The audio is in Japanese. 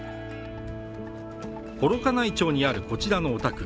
幌加内町にあるこちらのお宅。